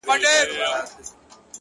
o گـــډ وډ يـهـــوديـــان؛